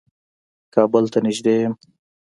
کابل ته نېږدې يم.